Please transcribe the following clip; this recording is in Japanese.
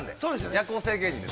夜行性芸人で。